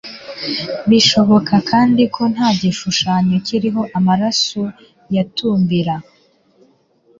bishoboka kandi ko nta gishushanyo kiriho amaso yatumbira